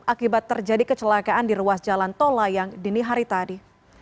akibat terjadi kecelakaan di ruas jalan tol layang dini hari tadi